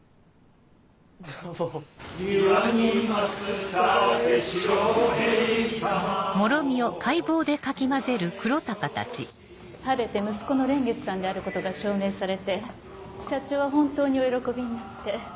庭に松竹白蛇様も黄金銚子は晴れて息子の蓮月さんであることが証明されて社長は本当にお喜びになって。